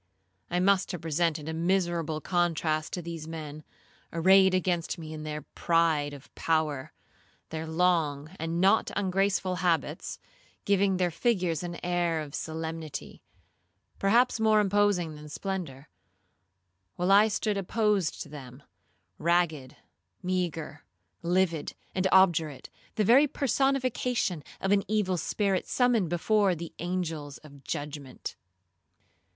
I must have presented a miserable contrast to these men arrayed against me in their pride of power,—their long and not ungraceful habits, giving their figures an air of solemnity, perhaps more imposing than splendour—while I stood opposed to them, ragged, meagre, livid, and obdurate, the very personification of an evil spirit summoned before the angels of judgment.